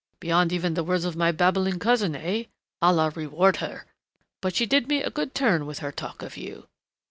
"Beyond even the words of my babbling cousin eh, Allah reward her! but she did me a good turn with her talk of you!"